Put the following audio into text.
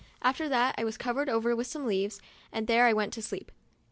After that I was covered over with some leaves, and there I went to sleep.